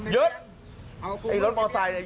ยึดไอ้รถมอเตอร์ไซค์เนี่ย